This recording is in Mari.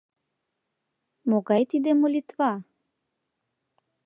Могай тиде молитва?